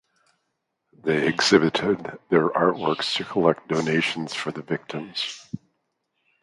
They exhibited their artworks to collect donations for the victims.